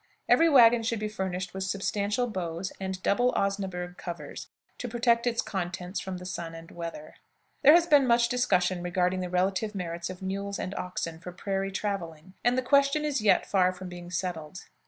Every wagon should be furnished with substantial bows and double osnaburg covers, to protect its contents from the sun and weather. There has been much discussion regarding the relative merits of mules and oxen for prairie traveling, and the question is yet far from being settled.